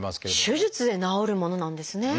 手術で治るものなんですね。